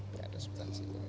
tidak ada substansinya